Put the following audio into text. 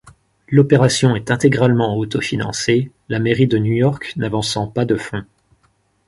L'opération est intégralement auto-financée, la mairie de New-York n'avançant pas de fonds.